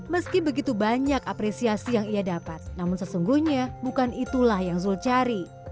meski begitu banyak apresiasi yang ia dapat namun sesungguhnya bukan itulah yang zul cari